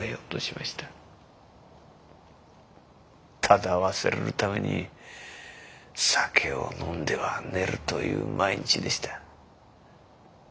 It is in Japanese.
ただ忘れるために酒を飲んでは寝るという毎日でした。